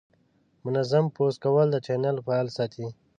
منظم پوسټ کول د چینل فعال ساتي.